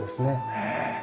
へえ。